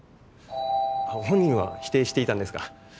本人は否定していたんですが。